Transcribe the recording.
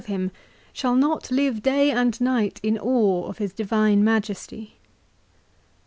395 of him shall not live day and night in awe of his divine majesty ?